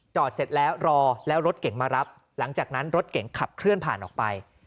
เสร็จแล้วรอแล้วรถเก่งมารับหลังจากนั้นรถเก่งขับเคลื่อนผ่านออกไป